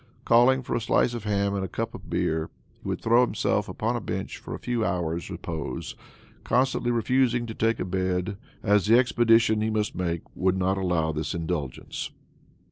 Calling for a slice of ham and a cup of beer, he would throw himself upon a bench for a few hours' repose, constantly refusing to take a bed, as the expedition he must make would not allow this indulgence.